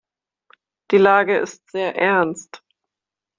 Die Lage ist sehr ernst.